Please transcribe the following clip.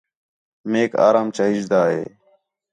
میک آرام چاہیجدا ہے